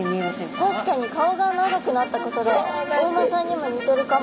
確かに顔が長くなったことでお馬さんにも似てるかも。